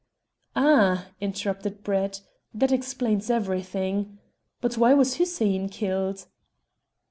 "Ah!" interrupted Brett, "that explains everything. But why was Hussein killed?"